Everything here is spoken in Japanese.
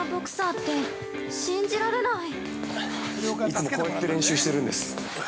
◆いつもこうやって練習してるんです。